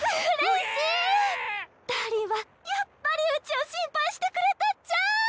ダーリンはやっぱりうちを心配してくれたっちゃ。